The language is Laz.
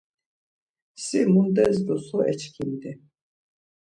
Si mundes do so eçkindi?